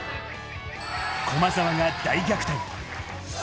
駒澤が大逆転。